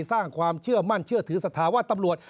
สร้างความเชื่อมั่นเชื่อถือสถาวะตำรวจ